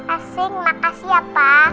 asing makasih ya pa